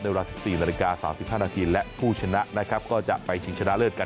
เวลา๑๔นาฬิกา๓๕นาทีและผู้ชนะนะครับก็จะไปชิงชนะเลิศกัน